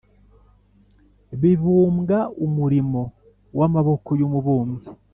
bibumbwa Umurimo w amaboko y umubumbyi